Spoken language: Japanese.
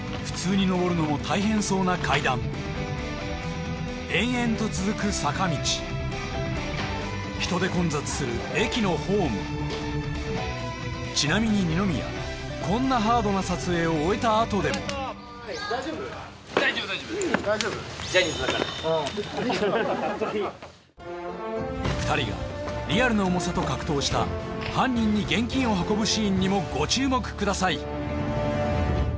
普通に上るのも大変そうな階段延々と続く坂道人で混雑する駅のホームちなみに二宮こんなハードな撮影を終えたあとでも２人がリアルな重さと格闘した犯人に現金を運ぶシーンにもご注目ください